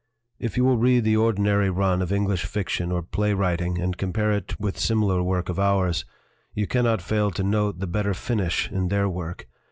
If you will read the ordinary run of English fiction or play writing and com pare it with similar work of ours, you cannot fail to note the better finish in their work.